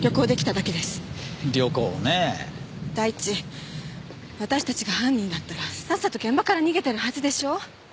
だいいち私たちが犯人だったらさっさと現場から逃げてるはずでしょう？